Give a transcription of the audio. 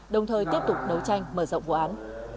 đồng thời tiếp tục đấu tranh mở rộng vụ án